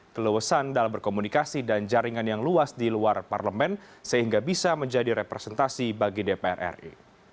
kelewasan dalam berkomunikasi dan jaringan yang luas di luar parlemen sehingga bisa menjadi representasi bagi dpr ri